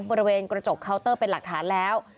บริเวณกระจกเคาน์เตอร์เป็นหลักฐานแล้ว